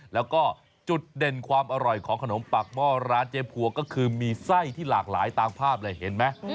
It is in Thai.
แล้วก็จุดเด่นความอร่อยของขนมปากหม้อร้านเจ๊พัวก็คือมีไส้ที่หลากหลายตามภาพเลยเห็นไหม